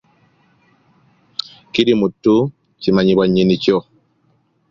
Kirimuttu kimanyibwa nnyini kyo.